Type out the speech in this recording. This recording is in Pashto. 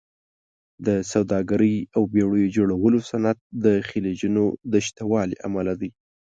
د سوداګرۍ او بېړیو جوړولو صنعت د خلیجونو د شتوالي امله دی.